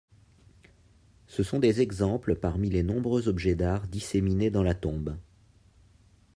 Ce sont des exemples parmi les nombreux objets d'arts disséminés dans la tombe.